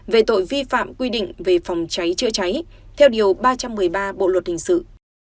về tội vi phạm quy định về phòng cháy chữa cháy theo điều ba trăm một mươi ba bộ luật hình sự